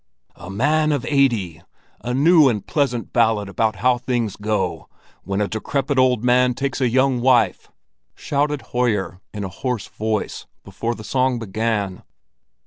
"A Man of Eighty—a new and pleasant ballad about how things go when a decrepit old man takes a young wife!" shouted Hoyer in a hoarse voice, before the song began.